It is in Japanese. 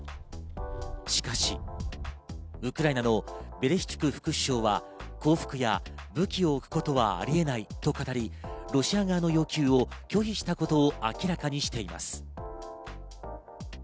しかし、ウクライナのベレシュチュク副首相は降伏や武器を置くことはあり得ないと語り、ロシア側の要求を拒否したことを明らかにしています。